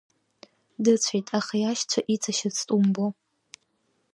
Дыцәеит, аха иашьцәа иҵашьыцт умбо!